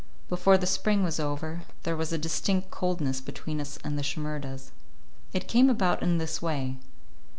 Before the spring was over, there was a distinct coldness between us and the Shimerdas. It came about in this way.